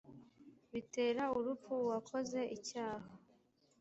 bitera urupfu uwakoze icyaha